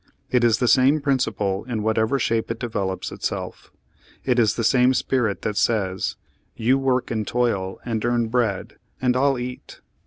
It is the same principle in whatever shape it develops itself. It is the same spirit that says, 'You work and toil Page Thirty six and earn bread, and I'll eat it.'